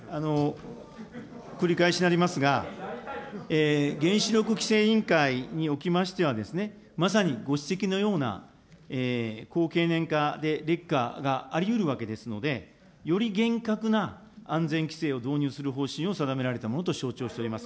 繰り返しになりますが、原子力規制委員会におきましては、まさにご指摘のような、高経年化で劣化がありうるわけですので、より厳格な安全規制を導入する方針を定められたものと承知をしております。